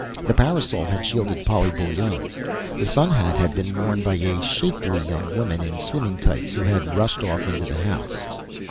The parasol had shielded Polly Bullone. The sunhat had been worn by a shapely young woman in swimming tights, who had rushed off into the house.